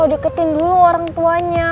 deketin dulu orang tuanya